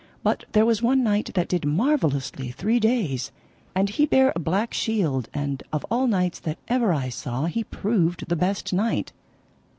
But there was one knight that did marvellously three days, and he bare a black shield, and of all knights that ever I saw he proved the best knight.